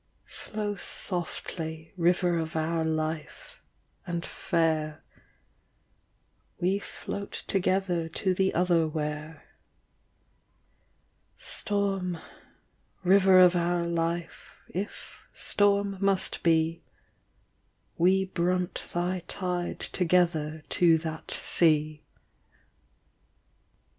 Flow softly, river of our life, and &ir ; We float together to the otherwhere : Storm, river of our life, if storm must be, We bnmt thy tide together to that sea.